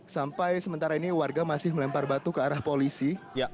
sampai sementara ini warga masih melempar batu ke arah polisi